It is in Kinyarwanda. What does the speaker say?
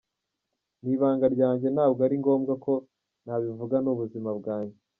Ni ibanga ryanjye ntabwo ari ngombwa ko nabivuga ni ubuzima bwanjye.